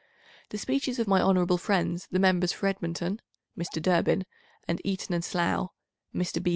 The speeches of my hon. Friends the Members for Edmonton (Mr. Durbin) and Eton and Slough (Mr. B.